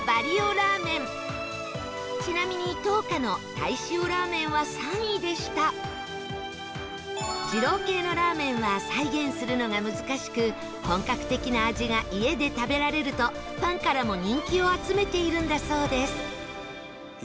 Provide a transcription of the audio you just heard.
ラーメンちなみに灯花の鯛塩らぁ麺は３位でした二郎系のラーメンは再現するのが難しく本格的な味が家で食べられるとファンからも人気を集めているんだそうです